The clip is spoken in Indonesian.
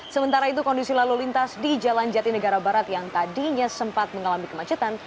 sementara itu kondisi lalu lintas di jalan jati negara barat yang tadinya sempat mengalami kemacetan